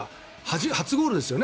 初ゴールですよね